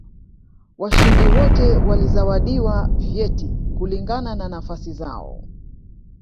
washindi wote walizawadiwa vyeti kulingana na nafasi zao